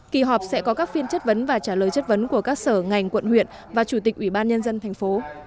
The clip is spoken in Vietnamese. kỳ họp sẽ có các phiên chất vấn và trả lời chất vấn của các sở ngành quận huyện và chủ tịch ủy ban nhân dân thành phố